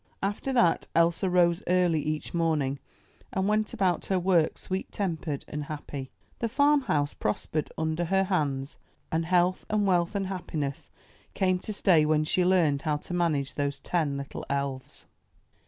After that Elsa rose early each morning, and went about her work sweet tempered and happy. The farmhouse prospered under her hands, and health, wealth, and happiness came to stay when she learned how to manage those ten little elves.